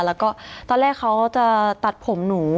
แล้วก็ตอนแรกเขาจะตัดผมหนู